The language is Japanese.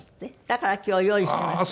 だから今日用意しました。